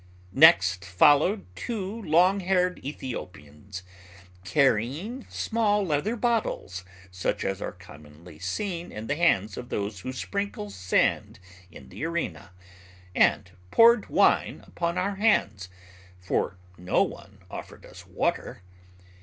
Next followed two long haired Ethiopians, carrying small leather bottles, such as are commonly seen in the hands of those who sprinkle sand in the arena, and poured wine upon our hands, for no one offered us water.